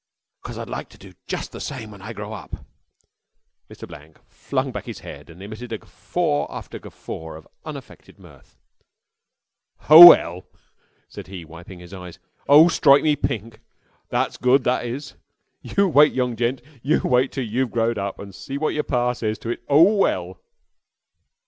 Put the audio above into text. "'Cause I'd like to do jus' the same when I grow up." Mr. Blank flung back his head and emitted guffaw after guffaw of unaffected mirth. "Oh 'ell," he said, wiping his eyes. "Oh, stroike me pink! That's good, that is. You wait, young gent, you wait till you've growed up and see what yer pa says to it. Oh 'ell!"